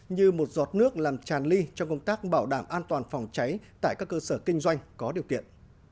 như một giọt nước làm tràn ly trong công tác bảo đảm an toàn phòng cháy tại các cơ sở kinh doanh có điều kiện